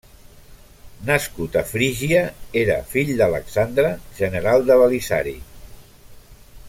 Nascut a Frígia, era fill d'Alexandre, general de Belisari.